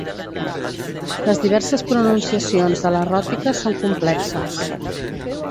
Les diverses pronunciacions de la ròtica són complexes.